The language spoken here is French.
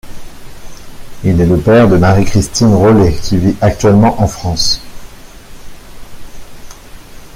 Il est le père de Marie-Christine Rollet qui vit actuellement en France.